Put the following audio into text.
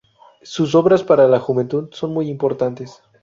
Sus obras para la juventud son muy importantes.